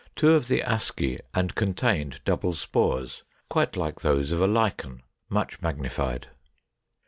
Two of the asci and contained double spores, quite like those of a Lichen; much magnified.